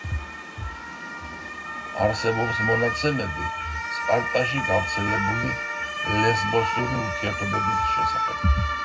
არსებობს მონაცემები სპარტაში გავრცელებული ლესბოსური ურთიერთობების შესახებ.